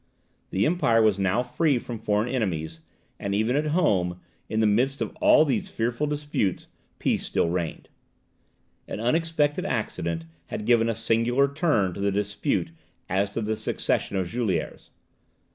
The empire was now free from foreign enemies; and even at home, in the midst of all these fearful disputes, peace still reigned. An unexpected accident had given a singular turn to the dispute as to the succession of Juliers.